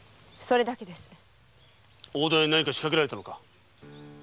大戸屋に何か仕掛けられたのか！